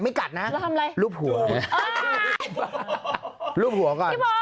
พูดดีกับเขาด้วย